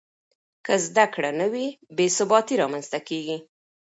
که زده کړه نه وي، بې ثباتي رامنځته کېږي.